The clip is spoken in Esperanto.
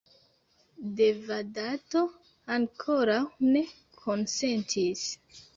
Devadato ankoraŭ ne konsentis.